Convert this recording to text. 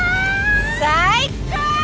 最高！